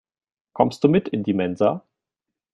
Kommst du mit in die Mensa?